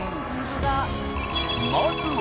まずは。